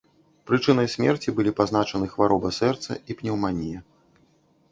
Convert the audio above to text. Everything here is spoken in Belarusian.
Прычынай смерці былі пазначаны хвароба сэрца і пнеўманія.